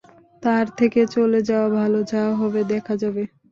তার থেকে চলে যাওয়া ভাল যা হবে দেখা যাবে।